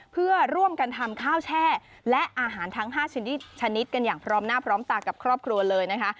เพื่อร่วมกันทำข้าวแช่และอาหารทั้ง๕ชนิดชนิดกันอย่างพร้อมหน้าพร้อมตากับครอบครัวเลยนะคะ